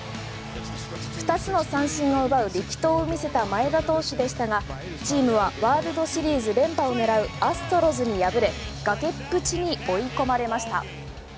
二つの三振を奪う力投を見せた前田投手でしたが、チームはワールドシリーズ連覇を狙うアストロズに敗れ崖っぷちに追い込まれました。